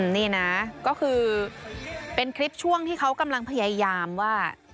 นี่นะก็คือเป็นคลิปช่วงที่เขากำลังพยายามว่า